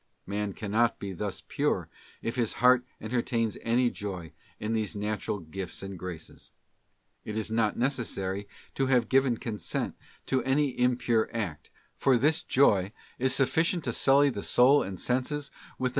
Man cannot be thus pure if his heart enter tains any joy in these natural gifts and graces. It is not necessary to have given consent to any impure act, for this joy is sufficient to sully the soul and senses with the know * S.